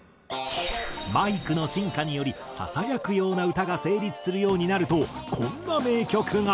マイクの進化によりささやくような歌が成立するようになるとこんな名曲が。